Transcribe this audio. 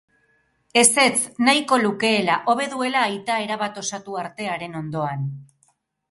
Ezetz, nahiko lukeela, hobe duela aita erabat osatu arte haren ondoan.